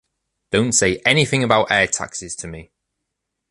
Don’t say anything about air taxis to me!